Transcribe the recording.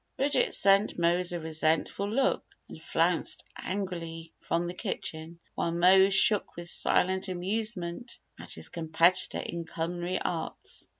Bridget sent Mose a resentful look and flounced angrily from the kitchen, while Mose shook with silent amusement at his competitor in culinary arts.